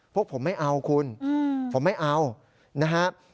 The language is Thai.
พวกผมไม่เอาคุณผมไม่เอานะครับ